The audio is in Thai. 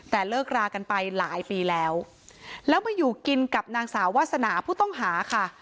แต่เลิกรากันไปหลายปีแล้วแล้วมาอยู่กินกับนางสาววาสนาผู้ต้องหาค่ะ